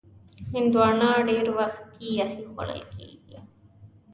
هندوانه ډېر وخت یخې خوړل کېږي.